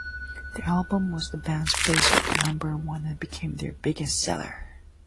The album was the band's first number one, and became their biggest seller.